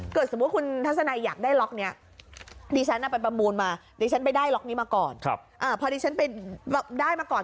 เกิดสมมุติคุณทัศนายอยากได้ล็อกเนี่ยดิฉันไปประมูลมาดิฉันไปได้ล็อกนี้มาก่อน